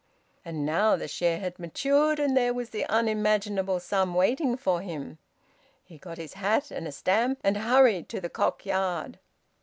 And now the share had matured, and there was the unimaginable sum waiting for him! He got his hat and a stamp, and hurried to the Cock Yard.